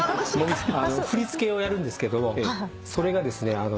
振り付けをやるんですけどそれがですね